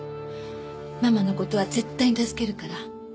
ママの事は絶対に助けるから。